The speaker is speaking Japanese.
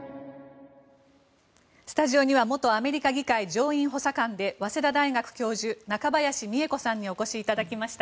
スタジオには元アメリカ議会上院補佐官で早稲田大学教授中林美恵子さんにお越しいただきました。